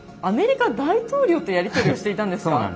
アメリカ大統領とやり取りをしていたんですか。